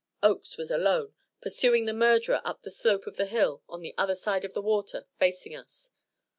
Oakes was alone, pursuing the murderer up the slope of the hill on the other side of the water, facing us.